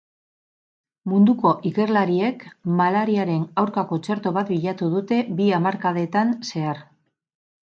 Munduko ikerlariek malariaren aurkako txerto bat bilatu dute bi hamarkadetan zehar.